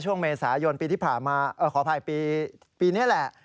ช่วงเมษายนปีที่ผ่านมาขออภัยปีนี้แหละ